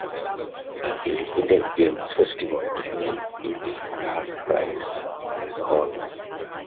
The Independent Games Festival renamed its grand price in his honour.